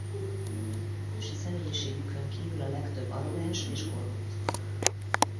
Hősi személyiségükön kívül a legtöbb arrogáns és korrupt.